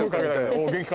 「おう元気か？」